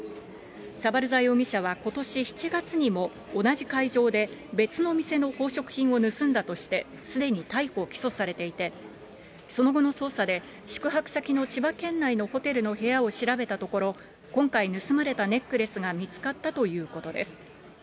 サバルザ容疑者はことし７月にも、同じ会場で別の店の宝飾品を盗んだとして、すでに逮捕・起訴されていて、その後の捜査で、宿泊先の千葉県内のホテルの部屋を調べたところ、今回、盗まれたネックレスが見つかったということです。